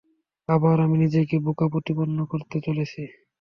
আবার আমি নিজেকে বোকা প্রতিপন্ন করতে চলেছি।